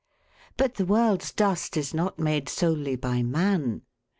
But the world's dust is not made solely by man.